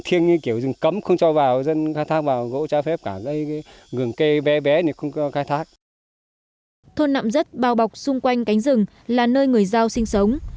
thôn nậm rất bao bọc xung quanh cánh rừng là nơi người giao sinh sống